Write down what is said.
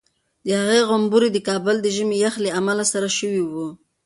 د هغې غومبوري د کابل د ژمي د یخ له امله سره شوي وو.